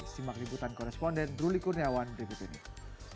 simak liputan koresponden ruli kurniawan di video ini